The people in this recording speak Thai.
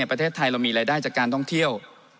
ประเทศไทยเรามีรายได้จากการท่องเที่ยว